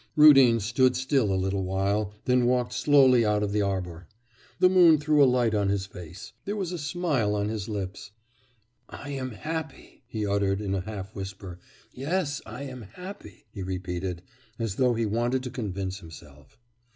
Rudin stood still a little while, then walked slowly out of the arbour. The moon threw a light on his face; there was a smile on his lips. 'I am happy,' he uttered in a half whisper. 'Yes, I am happy,' he repeated, as though he wanted to convince himself.